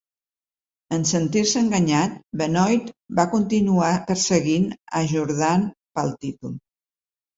En sentir-se enganyat, Benoit va continuar perseguint a Jordan pel títol.